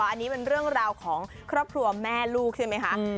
อันนี้เป็นเรื่องราวของครอบครัวแม่ลูกใช่ไหมคะ